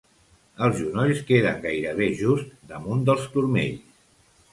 Els genolls queden gairebé just damunt dels turmells.